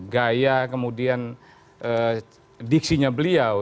gaya kemudian diksinya beliau